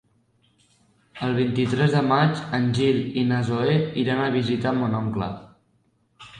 El vint-i-tres de maig en Gil i na Zoè iran a visitar mon oncle.